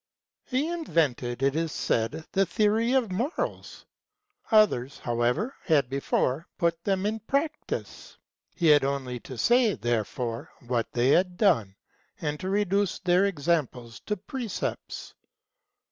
He invented, it is said, the theory of morals. ^ Others, however, had before put them in practice ; he had only to say, therefore, what they had done, and to reduce their examples to precepts.